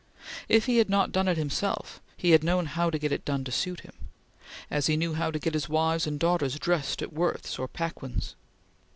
If he had not done it himself, he had known how to get it done to suit him, as he knew how to get his wives and daughters dressed at Worth's or Paquin's.